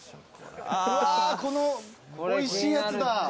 うわこのおいしいやつだ。